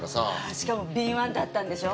しかも敏腕だったんでしょ？